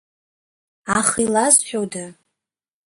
Аха илазҳәода?